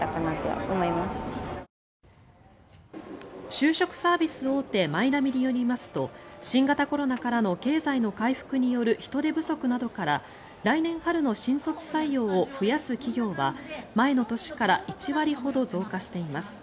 就職サービス大手マイナビによりますと新型コロナからの経済の回復による人手不足などから来年春の新卒採用を増やす企業は前の年から１割ほど増加しています。